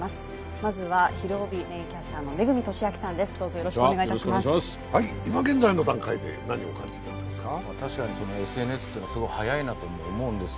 まずは、「ひるおび」メインキャスターの恵俊彰さんです。